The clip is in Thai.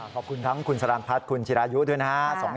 ขอบคุณทั้งคุณสรรพัฒน์คุณจิรายุด้วยนะครับ